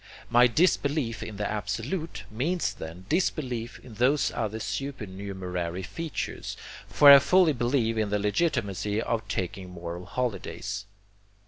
My disbelief in the Absolute means then disbelief in those other supernumerary features, for I fully believe in the legitimacy of taking moral holidays.